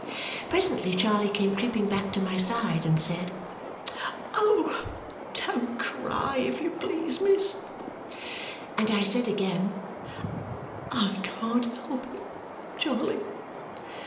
Presently Charley came creeping back to my side and said, "Oh, don't cry, if you please, miss." And I said again, "I can't help it, Charley."